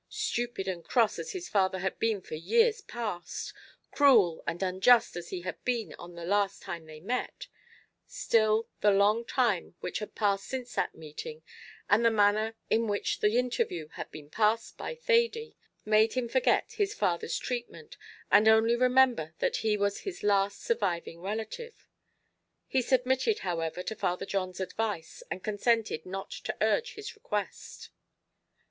Stupid and cross as his father had been for years past cruel and unjust as he had been on the last time they met, still, the long time which had passed since that meeting, and the manner in which the interview had been passed by Thady, made him forget his father's treatment, and only remember that he was his last surviving relative. He submitted, however, to Father John's advice, and consented not to urge his request.